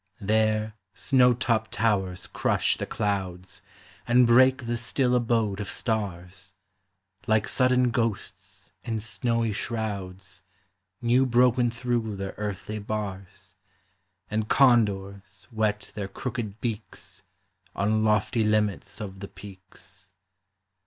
There snow topped towers crush the clouds, And break the still abode of stars, Like sudden ghosts in snowy shrouds, New broken through their earthly bars, And condors whet their crooked beaks On lofty limits of the peaks.